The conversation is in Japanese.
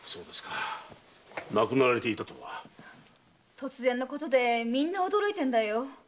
突然のことでみんな驚いてんだよ。